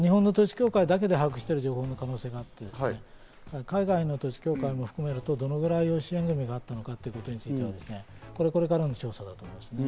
日本の統一教会だけで把握している情報の可能性があって、海外の統一教会も含めるとどのくらい養子縁組があったのかということについて、これからの調査だと思います。